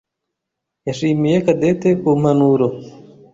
yashimiye Cadette kumpanuro.